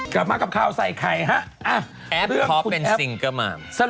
กลับมากับข่าวใส่ไข่ฮะอ้าวเรื่องคุณแอปแอปขอเป็นสิ่งก็มา